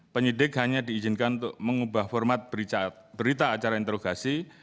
penyidik hanya diizinkan untuk mengubah format berita acara interogasi